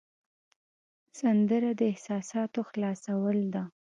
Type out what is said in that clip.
سندره د احساساتو خلاصول ده